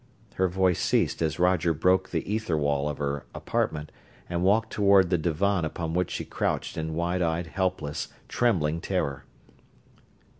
Her voice ceased as Roger broke the ether wall of her apartment and walked toward the divan upon which she crouched in wide eyed, helpless, trembling terror.